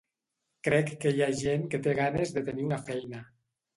Crec que hi ha gent que té ganes de tenir una feina.